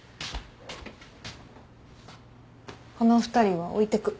この２人は置いてく。